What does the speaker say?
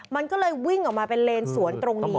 มันก็เลยวิ่งออกมาเป็นเลนสวนตรงนี้